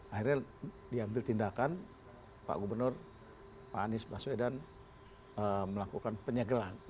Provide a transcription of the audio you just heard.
akhirnya diambil tindakan pak gubernur pak anies baswedan melakukan penyegelan